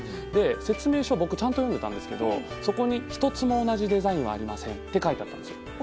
説明書を僕ちゃんと読んでたんですけどそこに１つも同じデザインはありませんと書いてあったんですよ。